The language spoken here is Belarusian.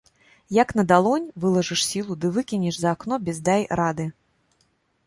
Як на далонь, вылажыш сілу ды выкінеш за акно без дай рады.